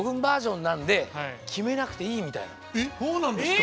だからそうなんですか？